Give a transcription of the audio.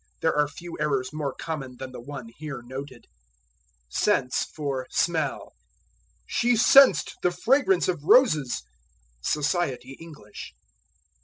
There are few errors more common than the one here noted. Sense for Smell. "She sensed the fragrance of roses." Society English.